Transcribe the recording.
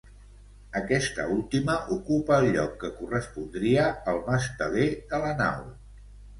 Aquesta última ocupa el lloc que correspondria al masteler de la nau.